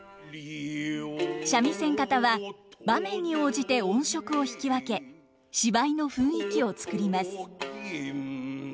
三味線方は場面に応じて音色を弾き分け芝居の雰囲気を作ります。